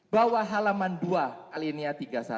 dua puluh tujuh bawah halaman dua alinia tiga puluh satu